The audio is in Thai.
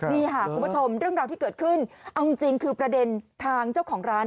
นี่ค่ะคุณผู้ชมเรื่องราวที่เกิดขึ้นเอาจริงคือประเด็นทางเจ้าของร้าน